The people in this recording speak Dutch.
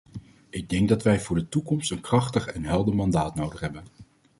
Ik denk dat wij voor de toekomst een krachtig en helder mandaat nodig hebben.